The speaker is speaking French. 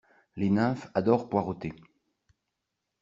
Les nymphes adorent poireauter.